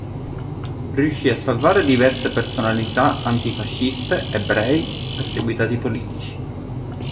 Riuscì a salvare diverse personalità antifasciste, ebrei, perseguitati politici.